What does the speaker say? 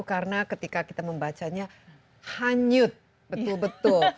karena ketika kita membacanya hanyut betul betul